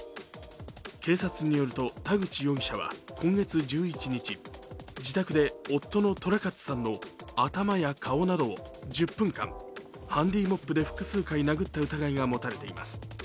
警察によると、田口容疑者は今月１１日自宅で夫の寅勝さんの頭や顔などを１０分間、ハンディモップで複数回殴った疑いが持たれています。